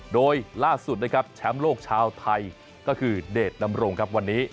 โดยล่าสุดนะครับแชมป์โลกชาวไทยก็คือเดชดำรงครับวันนี้